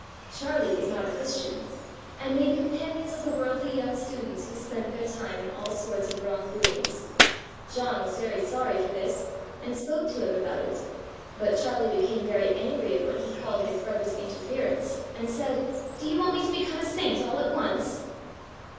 Charlie was not a Christian, and made companions of the worldly young students who spent their time in all sorts of wrong doings. John was very sorry for this, and spoke to him about it; but Charlie became very angry at what he called his brother's interference, and said: "Do you want me to become a saint all at once?"